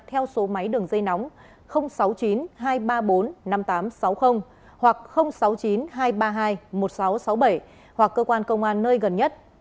theo số máy đường dây nóng sáu mươi chín hai trăm ba mươi bốn năm nghìn tám trăm sáu mươi hoặc sáu mươi chín hai trăm ba mươi hai một nghìn sáu trăm sáu mươi bảy hoặc cơ quan công an nơi gần nhất